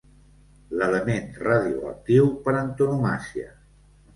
L'element radioactiu per antonomàsia.